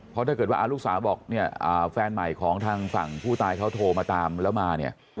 เพราะถ้าเกิดว่าลูกสาวบอกเนี่ยแฟนใหม่ของทางฝั่งผู้ตายเขาโทรมาตามแล้วมาเนี่ย